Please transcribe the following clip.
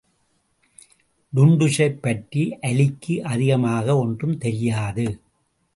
டுன்டுஷைப் பற்றி அலிக்கு அதிகமாக ஒன்றும் தெரியாது.